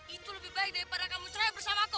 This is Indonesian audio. itu lebih baik daripada kamu cerai bersama aku